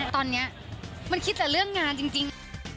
ตอนนี้มันคิดแต่เรื่องงานจริง